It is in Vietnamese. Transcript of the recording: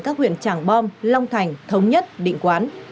các huyện tràng bom long thành thống nhất định quán